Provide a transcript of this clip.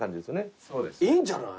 いいんじゃない？